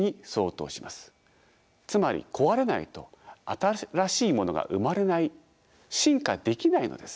つまり壊れないと新しいものが生まれない進化できないのです。